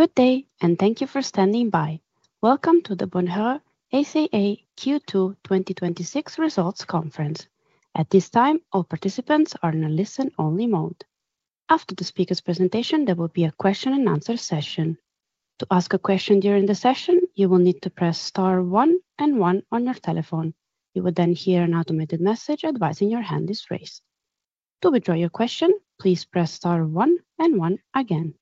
Good day. Thank you for standing by. Welcome to the Bonheur ASA Q2 2026 results conference. At this time, all participants are in a listen-only mode. After the speaker's presentation, there will be a question and answer session. To ask a question during the session, you will need to press star one and one on your telephone. You will then hear an automated message advising your hand is raised. To withdraw your question, please press star one and one again.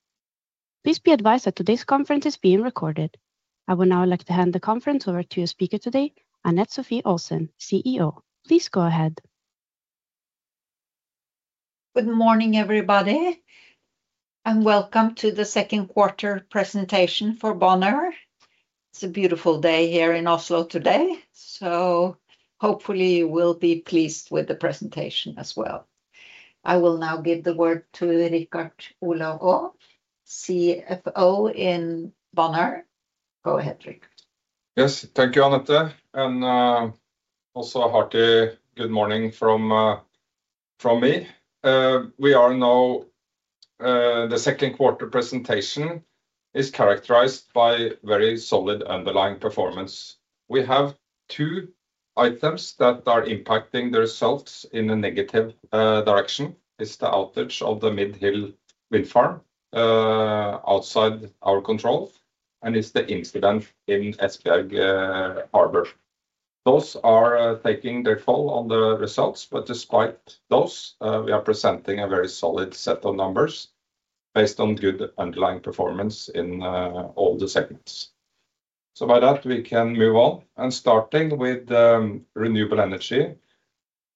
Please be advised that today's conference is being recorded. I would now like to hand the conference over to your speaker today, Anette Sofie Olsen, CEO. Please go ahead. Good morning, everybody. Welcome to the second quarter presentation for Bonheur. It's a beautiful day here in Oslo today. Hopefully you will be pleased with the presentation as well. I will now give the word to Richard Olav Aa, CFO in Bonheur. Go ahead, Rik. Yes. Thank you, Anette. Also a hearty good morning from me. The second quarter presentation is characterized by very solid underlying performance. We have two items that are impacting the results in a negative direction, is the outage of the Mid Hill Wind Farm outside our control, and it's the incident in Esbjerg Harbor. Those are taking their toll on the results. Despite those, we are presenting a very solid set of numbers based on good underlying performance in all the segments. With that, we can move on and starting with renewable energy.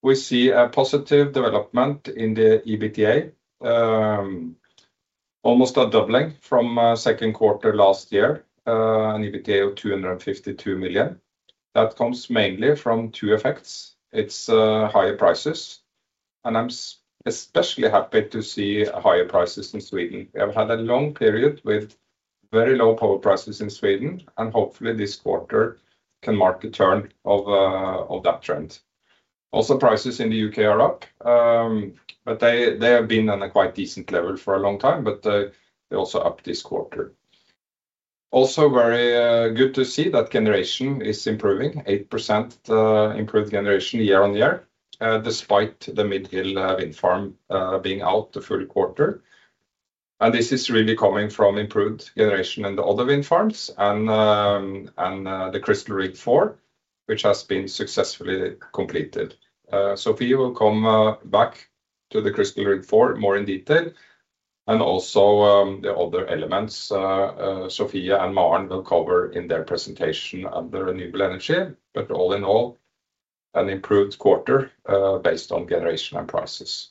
We see a positive development in the EBITDA. Almost a doubling from second quarter last year, an EBITDA of 252 million. That comes mainly from two effects. It's higher prices, and I'm especially happy to see higher prices in Sweden. We have had a long period with very low power prices in Sweden. Hopefully this quarter can mark a turn of that trend. Also, prices in the U.K. are up, but they have been on a quite decent level for a long time, but they're also up this quarter. Also very good to see that generation is improving. 8% improved generation year-on-year, despite the Mid Hill Wind Farm being out the full quarter. This is really coming from improved generation in the other wind farms and the Crystal Rig IV, which has been successfully completed. Sofie will come back to the Crystal Rig IV more in detail, and also the other elements Sophia and Maren will cover in their presentation under renewable energy. All in all, an improved quarter based on generation and prices.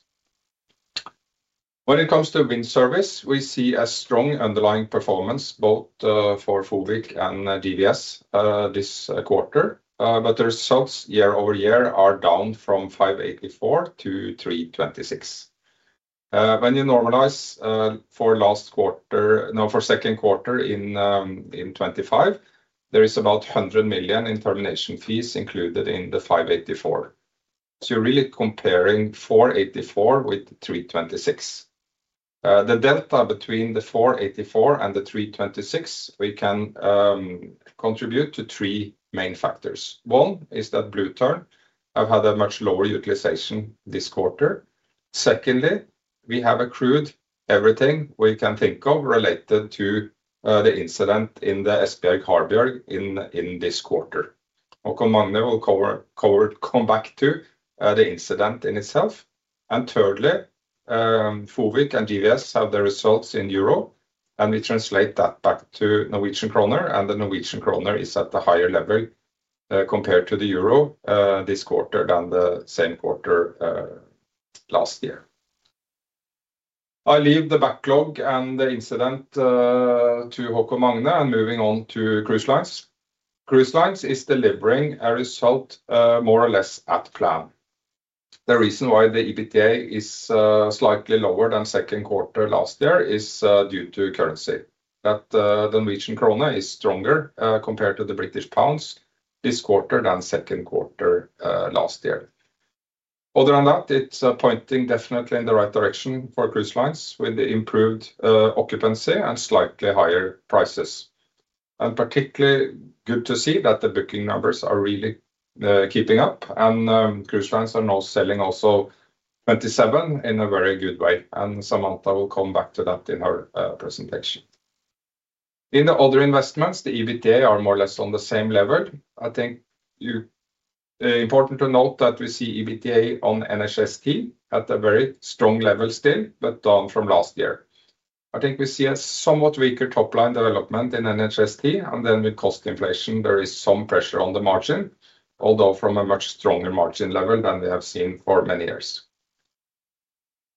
When it comes to wind service, we see a strong underlying performance both for Fovic and GVS this quarter. The results year-over-year are down from 584 to 326. When you normalize for second quarter in 2025, there is about 100 million in termination fees included in the 584. You're really comparing 484 with 326. The delta between the 484 and the 326 we can contribute to three main factors. One is that Blue Tern have had a much lower utilization this quarter. Secondly, we have accrued everything we can think of related to the incident in the Esbjerg Harbor in this quarter. Haakon Magne will come back to the incident in itself. Thirdly, Fovic and GVS have the results in euro, and we translate that back to Norwegian kroner, and the Norwegian kroner is at the higher level compared to the euro this quarter than the same quarter last year. I leave the backlog and the incident to Haakon Magne and moving on to Cruise Lines. Cruise Lines is delivering a result more or less at plan. The reason why the EBITDA is slightly lower than second quarter last year is due to currency. That the Norwegian kroner is stronger compared to the British pounds this quarter than the second quarter last year. Other than that, it's pointing definitely in the right direction for Cruise Lines with the improved occupancy and slightly higher prices. Particularly good to see that the booking numbers are really keeping up and Cruise Lines are now selling also 2027 in a very good way, and Samantha will come back to that in her presentation. In the other investments, the EBITDA are more or less on the same level. I think important to note that we see EBITDA on NHST at a very strong level still, but down from last year. I think we see a somewhat weaker top-line development in NHST, and then with cost inflation, there is some pressure on the margin, although from a much stronger margin level than we have seen for many years.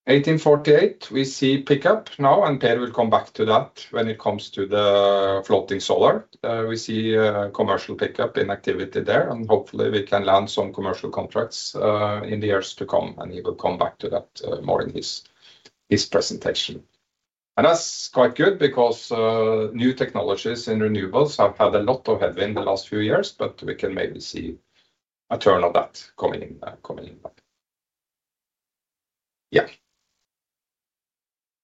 1848, we see pickup now and Per will come back to that when it comes to the floating solar. We see a commercial pickup in activity there and hopefully we can land some commercial contracts in the years to come. He will come back to that more in his presentation. That's quite good because new technologies in renewables have had a lot of headwind the last few years, but we can maybe see a turn of that coming in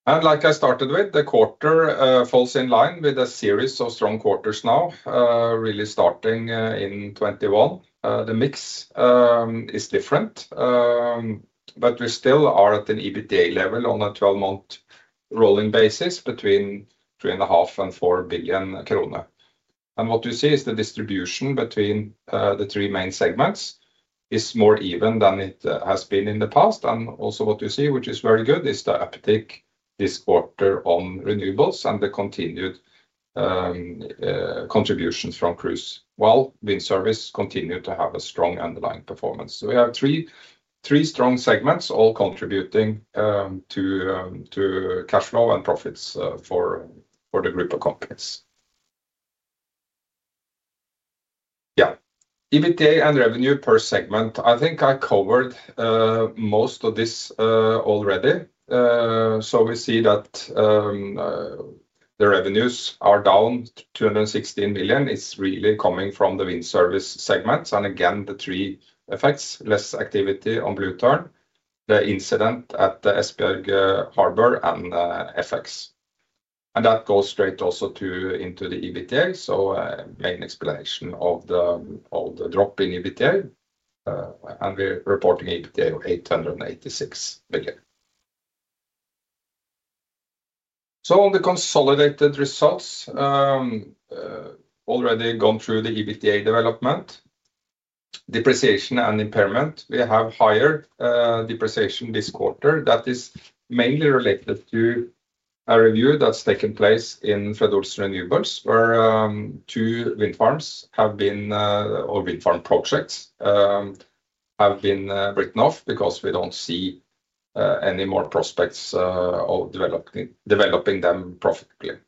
now. Like I started with, the quarter falls in line with a series of strong quarters now, really starting in 2021. The mix is different, but we still are at an EBITDA level on a 12-month rolling basis between 3.5 billion and 4 billion kroner. What you see is the distribution between the three main segments is more even than it has been in the past. Also what you see, which is very good, is the uptick this quarter on renewables and the continued contributions from Cruise, while Wind Service continued to have a strong underlying performance. We have three strong segments all contributing to cash flow and profits for the group of companies. Yeah. EBITDA and revenue per segment. I think I covered most of this already. We see that the revenues are down 216 million. It is really coming from the Wind Service segments. Again, the three effects, less activity on Blue Tern, the incident at the Esbjerg Harbor and FX. That goes straight also into the EBITDA. Main explanation of the drop in EBITDA, and we are reporting EBITDA of NOK 886 million. On the consolidated results, already gone through the EBITDA development. Depreciation and impairment. We have higher depreciation this quarter that is mainly related to a review that has taken place in Fred. Olsen Renewables, where two wind farms or wind farm projects have been written off because we do not see any more prospects of developing them profitably.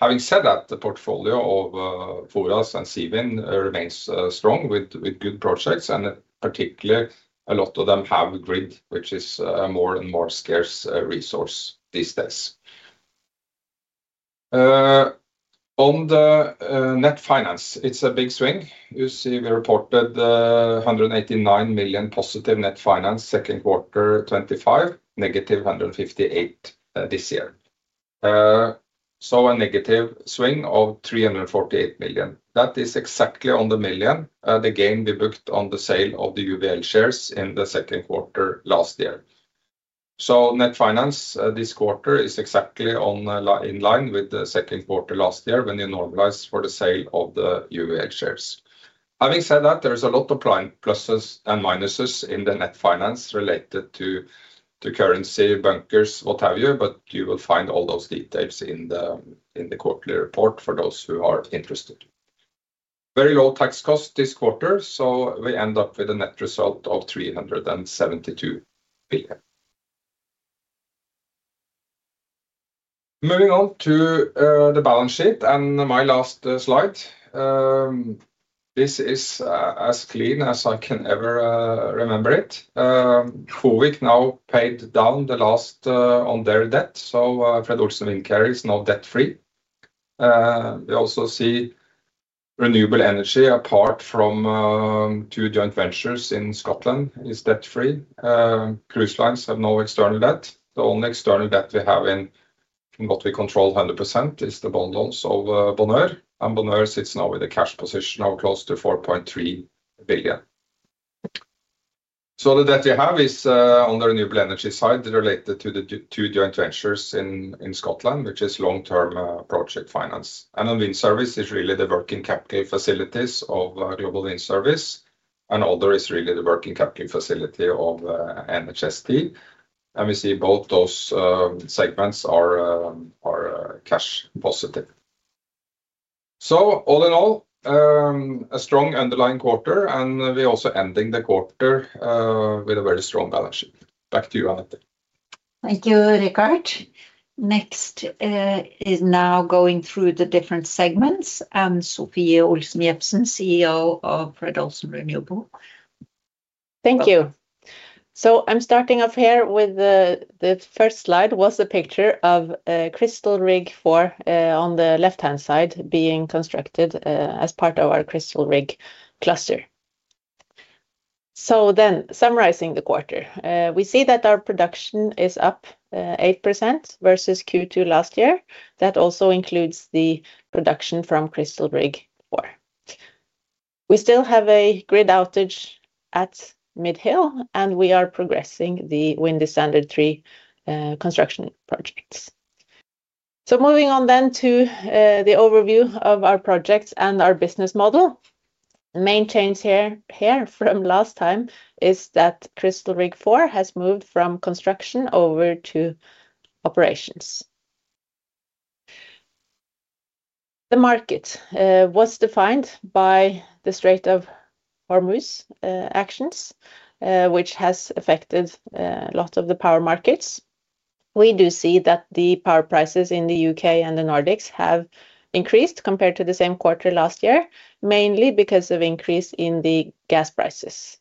Having said that, the portfolio of Fred. Olsen Seawind remains strong with good projects and particularly a lot of them have grid, which is a more and more scarce resource these days. On the net finance, it is a big swing. You see we reported 189 million positive net finance second quarter 2025, negative 158 million this year. A negative swing of 348 million. That is exactly on the million, the gain we booked on the sale of the UWL shares in the second quarter last year. Net finance this quarter is exactly in line with the second quarter last year when you normalize for the sale of the UWL shares. Having said that, there is a lot of pluses and minuses in the net finance related to currency, bunkers, what have you, but you will find all those details in the quarterly report for those who are interested. Very low tax cost this quarter, we end up with a net result of 372 million. Moving on to the balance sheet and my last slide. This is as clean as I can ever remember it. FOWIC now paid down the last on their debt, Fred. Olsen Windcarrier is now debt-free. We also see renewable energy, apart from two joint ventures in Scotland, is debt-free. Cruise Lines have no external debt. The only external debt we have in what we control 100% is the bond loans of Bonheur, and Bonheur sits now with a cash position of close to 4.3 billion. The debt we have is on the renewable energy side related to the two joint ventures in Scotland, which is long-term project finance. On Wind Service is really the working capital facilities of renewable Wind Service. Other is really the working capital facility of NHST. We see both those segments are cash positive. All in all, a strong underlying quarter, and we are also ending the quarter with a very strong balance sheet. Back to you, Anette. Thank you, Richard. Next is now going through the different segments. Sofie Olsen Jebsen, CEO of Fred. Olsen Renewables. Thank you. I'm starting off here with the first slide was a picture of Crystal Rig IV, on the left-hand side being constructed as part of our Crystal Rig cluster. Summarizing the quarter. We see that our production is up 8% versus Q2 last year. That also includes the production from Crystal Rig IV. We still have a grid outage at Mid Hill, and we are progressing the Windy Standard III construction projects. Moving on to the overview of our projects and our business model. The main change here from last time is that Crystal Rig IV has moved from construction over to operations. The market was defined by the Strait of Hormuz actions, which has affected a lot of the power markets. We do see that the power prices in the U.K. and the Nordics have increased compared to the same quarter last year, mainly because of increase in the gas prices.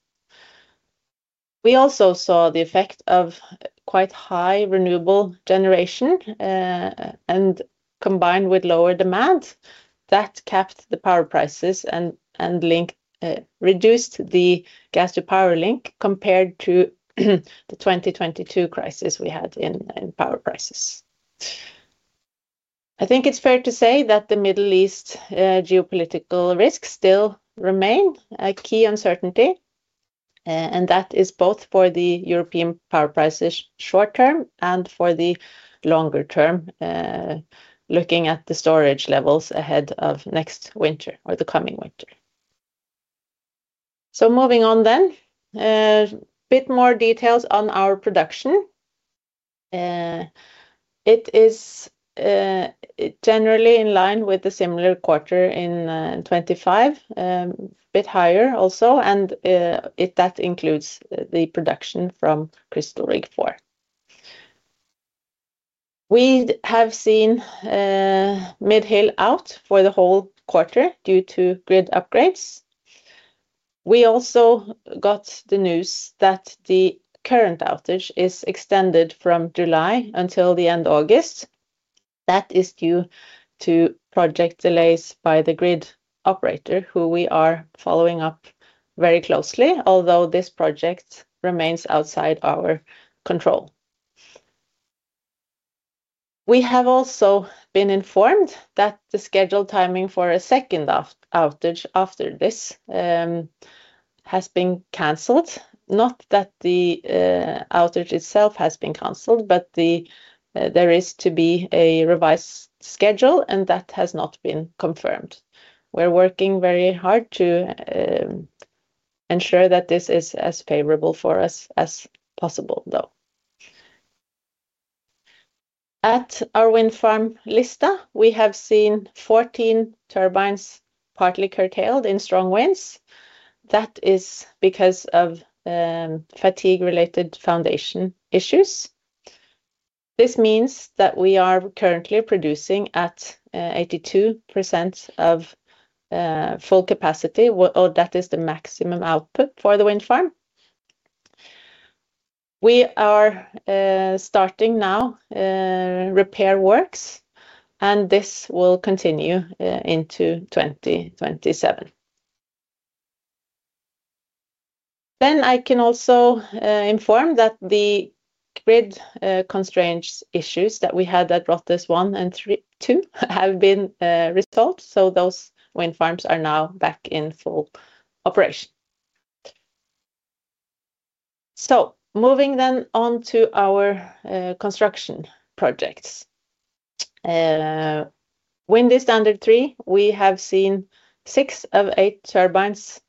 Combined with lower demand, that capped the power prices and reduced the gas to power link compared to the 2022 crisis we had in power prices. I think it's fair to say that the Middle East geopolitical risks still remain a key uncertainty, and that is both for the European power prices short term and for the longer term, looking at the storage levels ahead of next winter or the coming winter. Moving on. A bit more details on our production. It is generally in line with the similar quarter in 2025, a bit higher also, and that includes the production from Crystal Rig IV. We have seen Mid Hill out for the whole quarter due to grid upgrades. We also got the news that the current outage is extended from July until the end August. That is due to project delays by the grid operator, who we are following up very closely, although this project remains outside our control. We have also been informed that the scheduled timing for a second outage after this has been canceled. Not that the outage itself has been canceled, but there is to be a revised schedule, and that has not been confirmed. We're working very hard to ensure that this is as favorable for us as possible, though. At our wind farm, Lista, we have seen 14 turbines partly curtailed in strong winds. That is because of fatigue-related foundation issues. This means that we are currently producing at 82% of full capacity, or that is the maximum output for the wind farm. We are starting now repair works, and this will continue into 2027. I can also inform that the grid constraints issues that we had at Rothes I and II have been resolved. Those wind farms are now back in full operation. Moving then on to our construction projects. Windy Standard III, we have seen six of eight turbines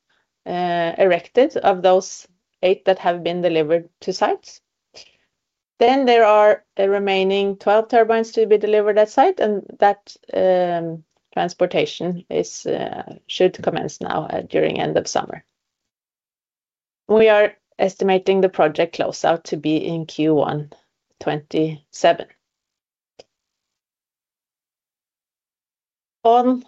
erected of those eight that have been delivered to sites. There are a remaining 12 turbines to be delivered at site, and that transportation should commence now during end of summer. We are estimating the project closeout to be in Q1 2027. On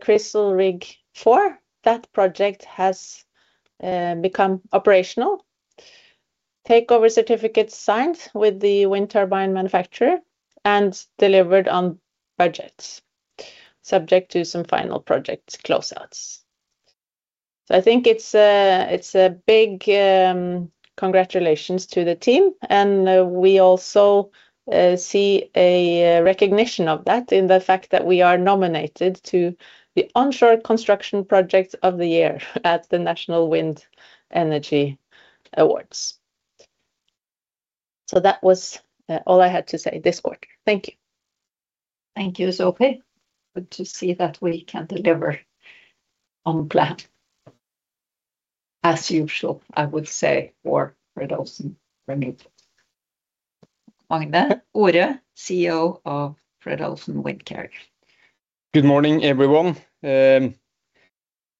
Crystal Rig IV, that project has become operational. Takeover certificate signed with the wind turbine manufacturer and delivered on budgets, subject to some final project closeouts. I think it's a big congratulations to the team, and we also see a recognition of that in the fact that we are nominated to the Onshore Construction Project of the Year at the National Wind Energy Awards. That was all I had to say this quarter. Thank you. Thank you, Sofie. Good to see that we can deliver on plan, as usual, I would say, for Fred. Olsen Renewables. Magne Ore, CEO of Fred. Olsen Windcarrier. Good morning, everyone.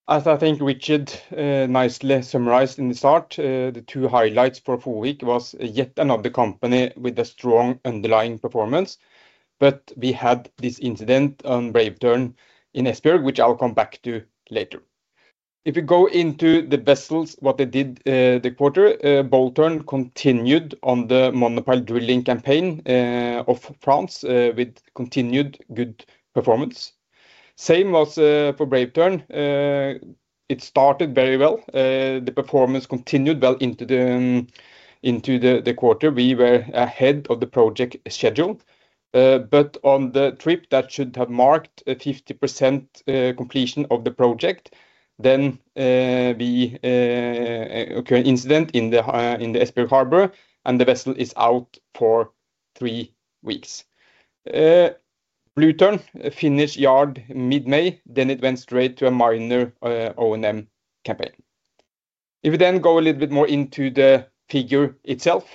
As I think Richard nicely summarized in the start, the two highlights for Fovic was yet another company with a strong underlying performance. We had this incident on Brave Tern in Esbjerg, which I'll come back to later. If you go into the vessels, what they did the quarter, Bold Tern continued on the monopile drilling campaign of France with continued good performance. Same was for Brave Tern. It started very well. The performance continued well into the quarter. We were ahead of the project schedule. On the trip that should have marked a 50% completion of the project, then we occur an incident in the Esbjerg Harbor, and the vessel is out for three weeks. Blue Tern finished yard mid-May, then it went straight to a minor O&M campaign. If we then go a little bit more into the figure itself.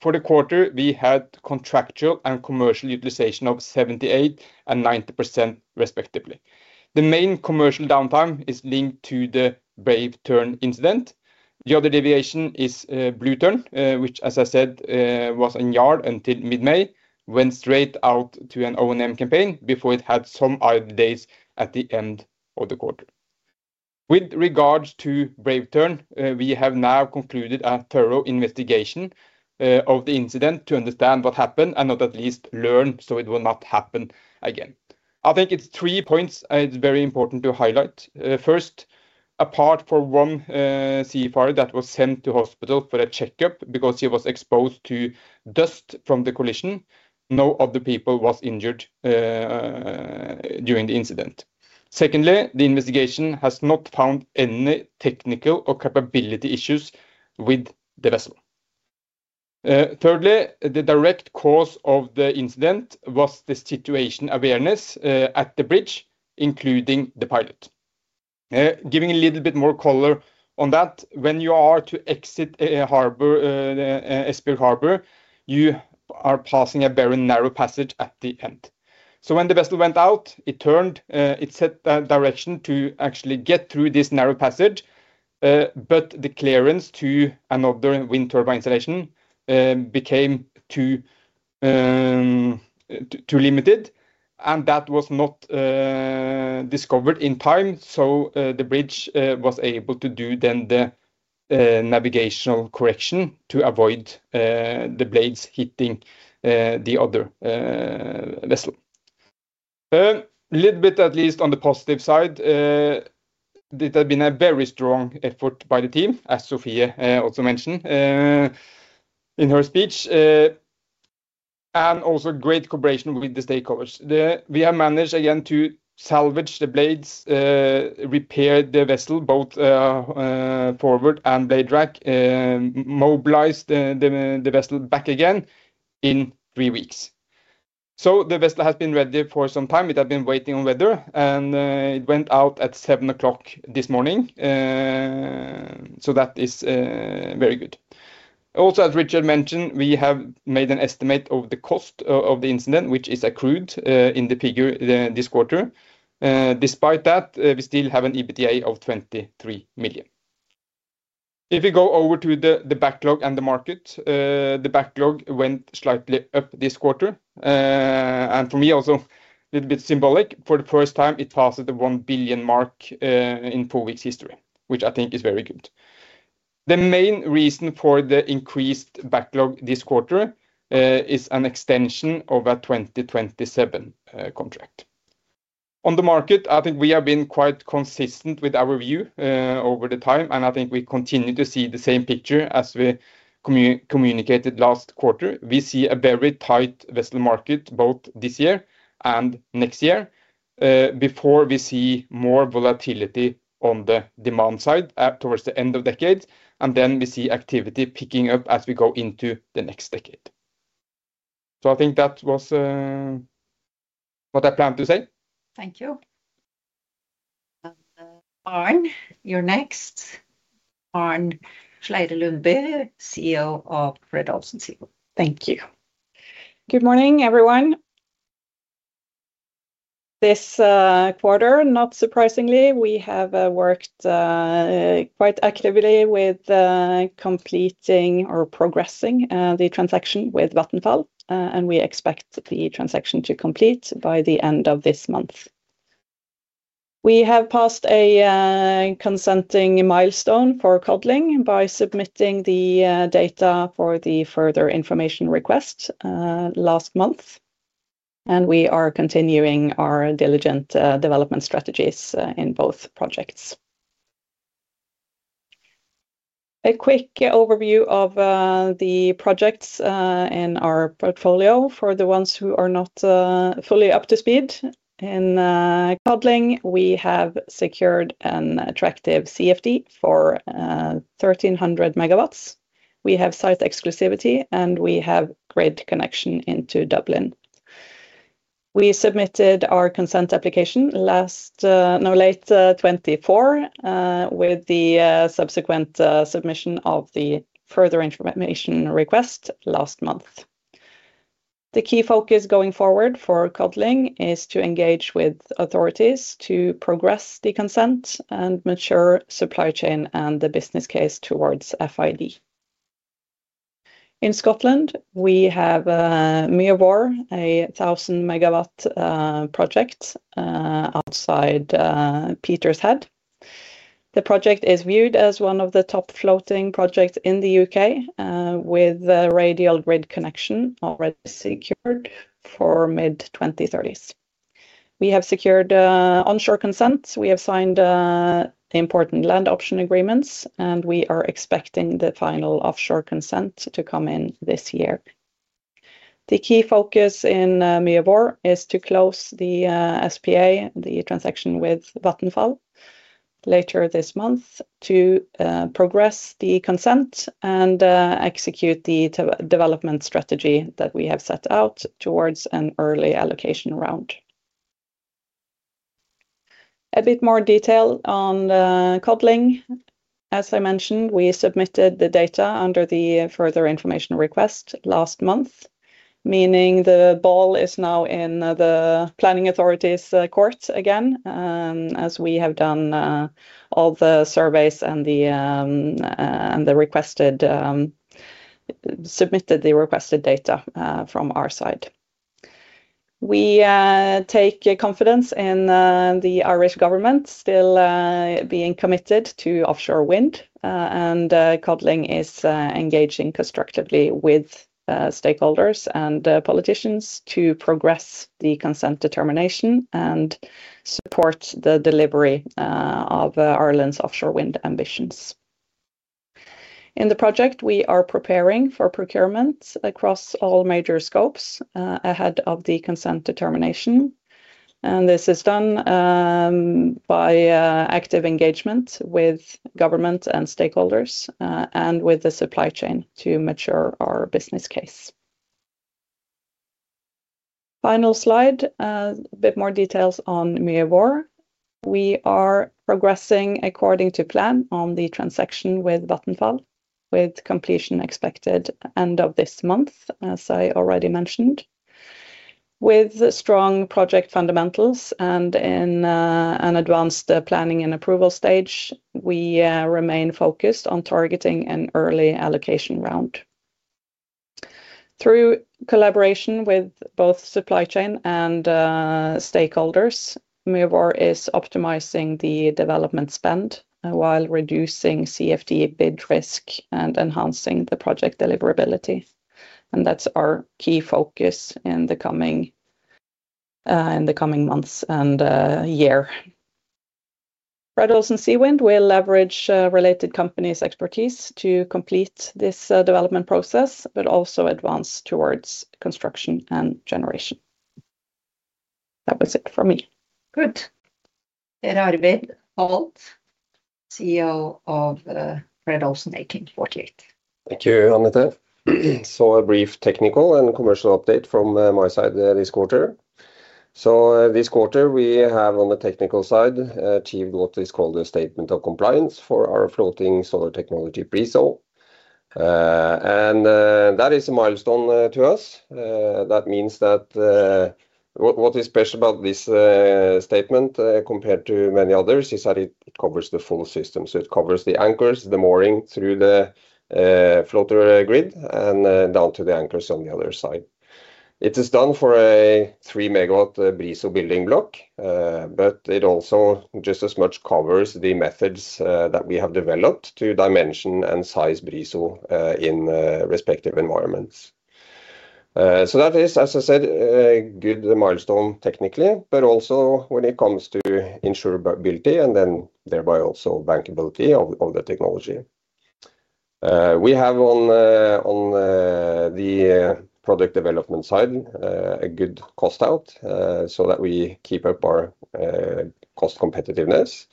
For the quarter, we had contractual and commercial utilization of 78% and 90%, respectively. The main commercial downtime is linked to the Brave Tern incident. The other deviation is Blue Tern, which, as I said, was in yard until mid-May, went straight out to an O&M campaign before it had some ID days at the end of the quarter. With regards to Brave Tern, we have now concluded a thorough investigation of the incident to understand what happened and not at least learn so it will not happen again. I think it's three points, it's very important to highlight. First, apart from one seafarer that was sent to hospital for a checkup because he was exposed to dust from the collision, no other people was injured during the incident. Secondly, the investigation has not found any technical or capability issues with the vessel. Thirdly, the direct cause of the incident was the situation awareness at the bridge, including the pilot. Giving a little bit more color on that, when you are to exit Esbjerg harbor, you are passing a very narrow passage at the end. When the vessel went out, it turned, it set a direction to actually get through this narrow passage. But the clearance to another wind turbine installation became too limited, and that was not discovered in time, so the bridge was able to do then the navigational correction to avoid the blades hitting the other vessel. A little bit, at least on the positive side, it has been a very strong effort by the team, as Sofie also mentioned in her speech, and also great cooperation with the stakeholders. We have managed again to salvage the blades, repair the vessel, both forward and blade rack, mobilized the vessel back again in three weeks. The vessel has been ready for some time. It had been waiting on weather, and it went out at 7:00 A.M. this morning, so that is very good. Also, as Richard mentioned, we have made an estimate of the cost of the incident, which is accrued in the figure this quarter. Despite that, we still have an EBITDA of 23 million. If we go over to the backlog and the market, the backlog went slightly up this quarter. And for me, also, a little bit symbolic, for the first time, it passes the 1 billion mark in four weeks history, which I think is very good. The main reason for the increased backlog this quarter is an extension of a 2027 contract. On the market, I think we have been quite consistent with our view over the time, and I think we continue to see the same picture as we communicated last quarter. We see a very tight vessel market both this year and next year. Before we see more volatility on the demand side towards the end of decade, and then we see activity picking up as we go into the next decade. I think that was what I planned to say. Thank you. Maren, you're next. Maren Sleire Lundby, CEO of Fred. Olsen Seawind. Thank you. Good morning, everyone. This quarter, not surprisingly, we have worked quite actively with completing or progressing the transaction with Vattenfall. We expect the transaction to complete by the end of this month. We have passed a consenting milestone for Codling by submitting the data for the further information request last month. We are continuing our diligent development strategies in both projects. A quick overview of the projects in our portfolio for the ones who are not fully up to speed. In Codling, we have secured an attractive CFD for 1,300 MW. We have site exclusivity. We have great connection into Dublin. We submitted our consent application late 2024, with the subsequent submission of the further information request last month. The key focus going forward for Codling is to engage with authorities to progress the consent and mature supply chain and the business case towards FID. In Scotland, we have Muir Mhòr, a 1,000 MW project outside Peterhead. The project is viewed as one of the top floating projects in the U.K., with radial grid connection already secured for mid-2030s. We have secured onshore consent. We have signed the important land option agreements. We are expecting the final offshore consent to come in this year. The key focus in Muir Mhòr is to close the SPA, the transaction with Vattenfall later this month to progress the consent and execute the development strategy that we have set out towards an early allocation round. A bit more detail on Codling. As I mentioned, we submitted the data under the further information request last month, meaning the ball is now in the planning authority's court again, as we have done all the surveys and submitted the requested data from our side. We take confidence in the Irish government still being committed to offshore wind. Codling is engaging constructively with stakeholders and politicians to progress the consent determination and support the delivery of Ireland's offshore wind ambitions. In the project, we are preparing for procurement across all major scopes ahead of the consent determination. This is done by active engagement with government and stakeholders, and with the supply chain to mature our business case. Final slide, a bit more details on Muir Mhòr. We are progressing according to plan on the transaction with Vattenfall, with completion expected end of this month, as I already mentioned. With strong project fundamentals and an advanced planning and approval stage, we remain focused on targeting an early allocation round. Through collaboration with both supply chain and stakeholders, Muir Mhòr is optimizing the development spend while reducing CFD bid risk and enhancing the project deliverability. That's our key focus in the coming months and year. Fred. Olsen Seawind will leverage related companies' expertise to complete this development process, also advance towards construction and generation. That was it for me. Good. Per Arvid Holth, CEO of Fred. Olsen 1848. Thank you, Anita. A brief technical and commercial update from my side this quarter. This quarter we have, on the technical side, achieved what is called a statement of compliance for our floating solar technology BRIZO. That is a milestone to us. What is special about this statement, compared to many others, is that it covers the full system. It covers the anchors, the mooring through the floater grid, and down to the anchors on the other side. It is done for a 3 MW BRIZO building block, it also just as much covers the methods that we have developed to dimension and size BRIZO in respective environments. That is, as I said, a good milestone technically, also when it comes to insurability and then thereby also bankability of the technology. We have on the product development side a good cost out, so that we keep up our cost competitiveness.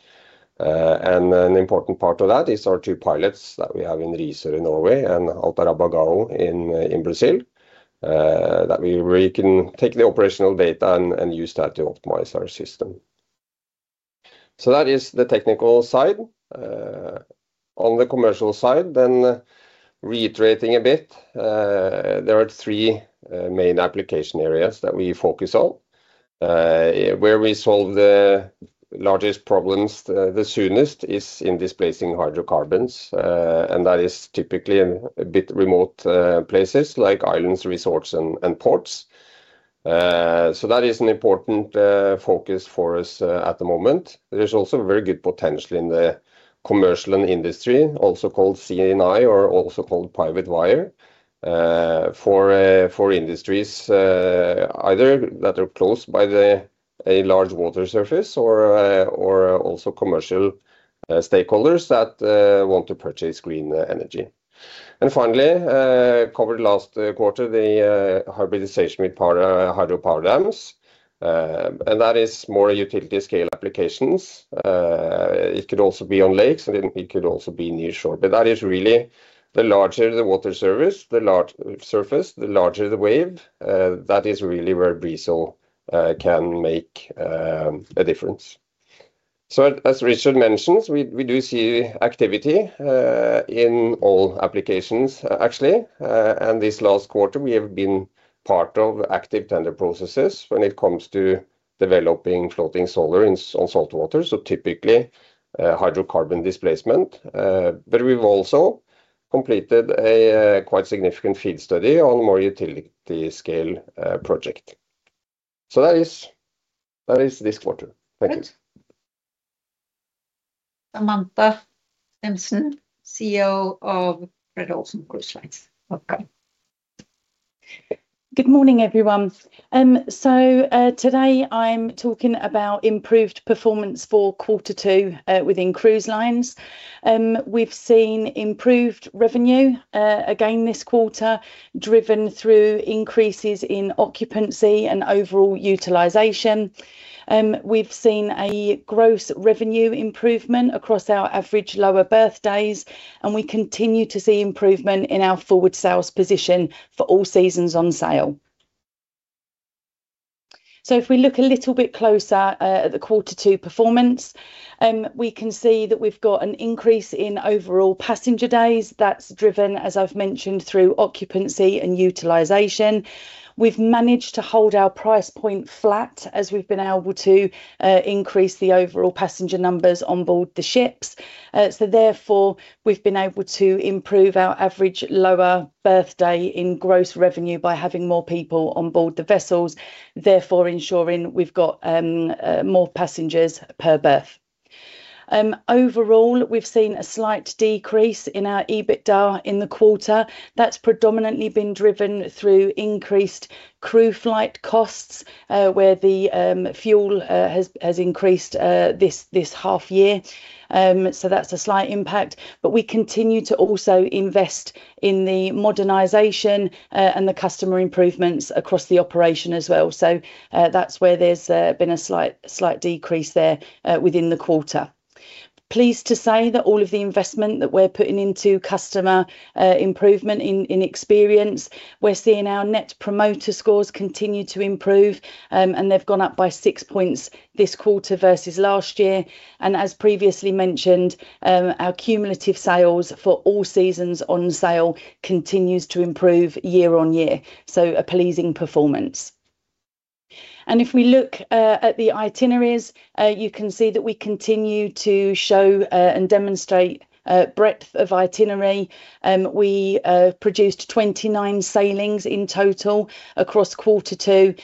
An important part of that is our two pilots that we have in Risør in Norway and Altamira Bay in Brazil, where we can take the operational data and use that to optimize our system. That is the technical side. On the commercial side then, reiterating a bit, there are three main application areas that we focus on. Where we solve the largest problems the soonest is in displacing hydrocarbons, that is typically in a bit remote places like islands, resorts, and ports. That is an important focus for us at the moment. There is also very good potential in the Commercial and Industrial, also called C&I or also called private wire, for industries either that are close by a large water surface or also commercial stakeholders that want to purchase green energy. Finally, covered last quarter, the hybridization with hydropower dams, and that is more utility-scale applications. It could also be on lakes, and it could also be nearshore, but that is really the larger the water surface, the larger the wave. That is really where BRIZO can make a difference. As Richard mentions, we do see activity in all applications, actually. This last quarter we have been part of active tender processes when it comes to developing floating solar on saltwater, so typically hydrocarbon displacement. We've also completed a quite significant field study on more utility-scale project. That is this quarter. Thank you. Samantha Stimpson, CEO of Fred. Olsen Cruise Lines. Welcome. Good morning, everyone. Today I'm talking about improved performance for quarter two within Cruise Lines. We've seen improved revenue again this quarter, driven through increases in occupancy and overall utilization. We've seen a gross revenue improvement across our Available Lower Berth Days, and we continue to see improvement in our forward sales position for all seasons on sale. If we look a little bit closer at the quarter two performance, we can see that we've got an increase in overall passenger days. That's driven, as I've mentioned, through occupancy and utilization. We've managed to hold our price point flat as we've been able to increase the overall passenger numbers on board the ships. Therefore, we've been able to improve our Available Lower Berth Day in gross revenue by having more people on board the vessels, therefore ensuring we've got more passengers per berth. Overall, we've seen a slight decrease in our EBITDA in the quarter. That's predominantly been driven through increased crew flight costs, where the fuel has increased this half year. That's a slight impact. We continue to also invest in the modernization and the customer improvements across the operation as well. That's where there's been a slight decrease there within the quarter. Pleased to say that all of the investment that we're putting into customer improvement in experience, we're seeing our Net Promoter Scores continue to improve, and they've gone up by six points this quarter versus last year. As previously mentioned, our cumulative sales for all seasons on sale continues to improve year-on-year. A pleasing performance. If we look at the itineraries, you can see that we continue to show and demonstrate breadth of itinerary. We produced 29 sailings in total across quarter two,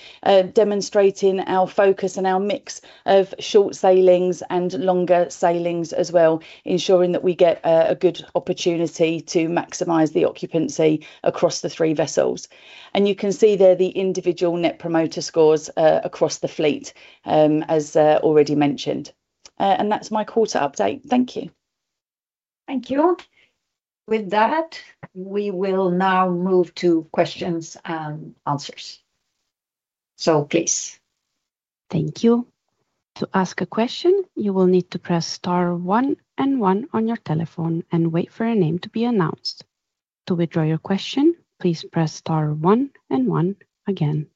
demonstrating our focus and our mix of short sailings and longer sailings as well, ensuring that we get a good opportunity to maximize the occupancy across the three vessels. You can see there the individual Net Promoter Scores across the fleet, as already mentioned. That's my quarter update. Thank you. Thank you. With that, we will now move to questions and answers. Please. Thank you. To ask a question, you will need to press star one and one on your telephone and wait for your name to be announced. To withdraw your question, please press star one and one again.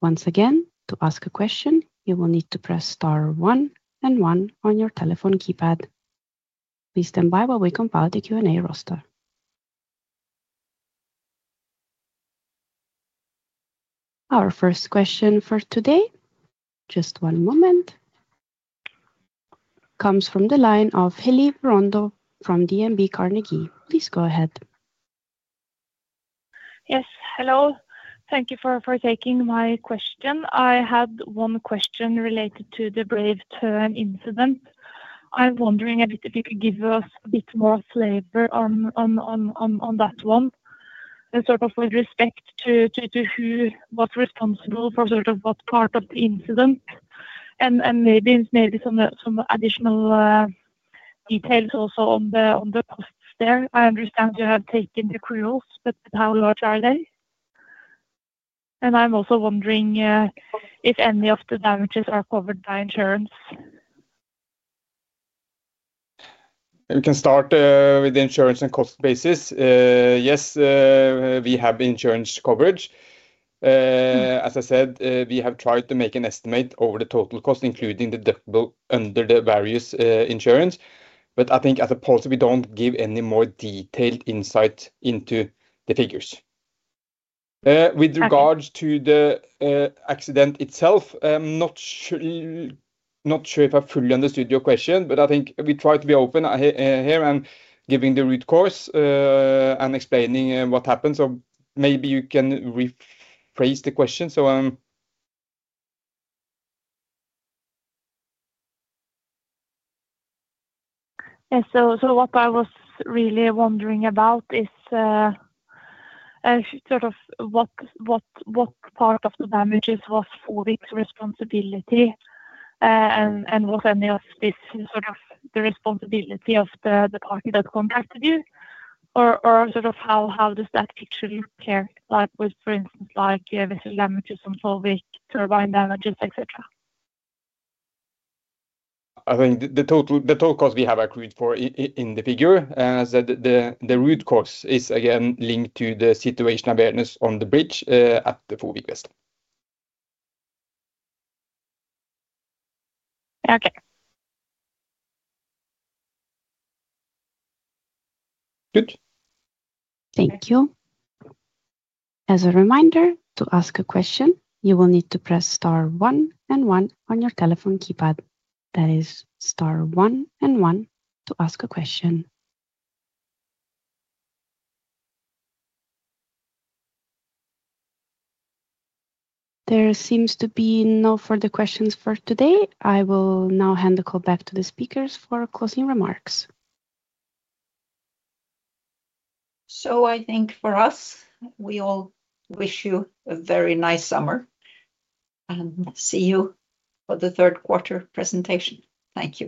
Once again, to ask a question, you will need to press star one and one on your telephone keypad. Please stand by while we compile the Q&A roster. Our first question for today, just one moment, comes from the line of Helene Brøndbo from DNB Carnegie. Please go ahead. Yes. Hello. Thank you for taking my question. I had one question related to the Brave Tern incident. I'm wondering if you could give us a bit more flavor on that one, sort of with respect to who was responsible for what part of the incident and maybe some additional details also on the costs there. I understand you have taken the crews, but how large are they? And I'm also wondering if any of the damages are covered by insurance. We can start with the insurance and cost basis. Yes, we have insurance coverage. As I said, we have tried to make an estimate over the total cost, including the deductible under the various insurance. I think as a policy, we don't give any more detailed insight into the figures. Okay. With regards to the accident itself, I'm not sure if I fully understood your question, but I think we try to be open here and giving the root cause and explaining what happened. Maybe you can rephrase the question. Yes. What I was really wondering about is what part of the damages was for which responsibility, and was any of this the responsibility of the party that contacted you? How does that picture look here? For instance, vessel damages and turbine damages, et cetera. I think the total cost we have accrued for in the figure. The root cause is, again, linked to the situation awareness on the bridge at the forepeak. Okay. Good. Thank you. As a reminder, to ask a question, you will need to press star one and one on your telephone keypad. That is star one and one to ask a question. There seems to be no further questions for today. I will now hand the call back to the speakers for closing remarks. I think for us, we all wish you a very nice summer, and see you for the third quarter presentation. Thank you